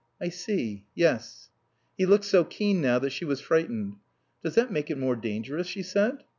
"I see. Yes." He looked so keen now that she was frightened. "Does that make it more dangerous?" she said.